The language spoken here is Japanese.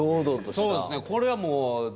そうですね。